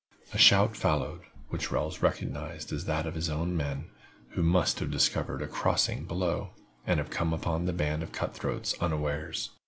A shout followed, which Wells recognized as that of his own men, who must have discovered a crossing below, and have come upon the band of cut throats unawares.